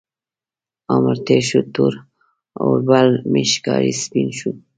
عمر تیر شو، تور اوربل مې ښکاري سپین شو